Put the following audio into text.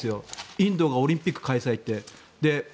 インドがオリンピック開催って。